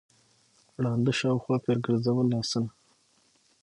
ړانده شاوخوا پر ګرځول لاسونه